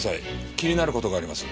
気になる事があります。